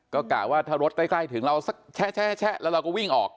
ก็กะว่าถ้ารถใกล้ถึงเราสักแชะแล้วเราก็วิ่งออก